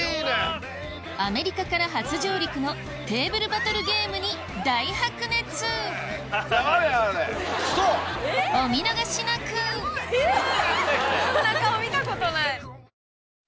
アメリカから初上陸のテーブルバトルゲームに大白熱お見逃しなくこんな顔見たことない。